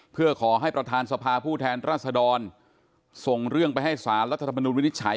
เพื่อขอให้ประธานสภาผู้แทนรัศดรส่งเรื่องไปให้สารรัฐธรรมนุนวินิจฉัย